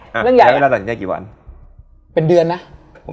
หลังเวลาตัดสินใจเท่ากี่วัน